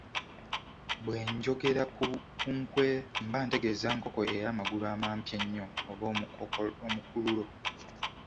Bwenjogera ku nkwekwe mba ntegeeza nkoko ey’amagulu amampi ennyo. oba omukululo.